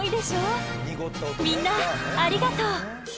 みんなありがとう！